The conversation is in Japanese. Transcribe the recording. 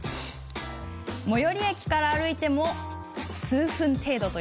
最寄り駅から歩いても数分程度。